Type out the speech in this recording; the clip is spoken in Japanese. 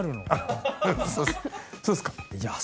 そうですか？